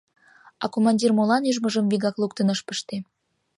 А командир молан ӱжмыжым вигак луктын ыш пыште.